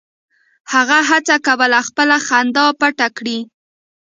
هغه هڅه کوله خپله خندا پټه کړي